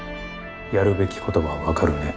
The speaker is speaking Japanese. やるべき事はわかるね？